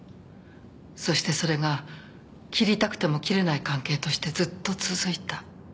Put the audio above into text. そしてそれが切りたくても切れない関係としてずっと続いた。